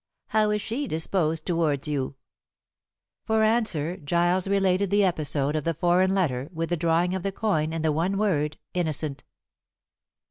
How is she disposed towards you?" For answer Giles related the episode of the foreign letter, with the drawing of the coin and the one word "Innocent."